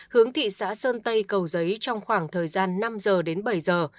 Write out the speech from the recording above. hướng thị xã sơn tây cầu giấy trong khoảng thời gian năm giờ đến bảy giờ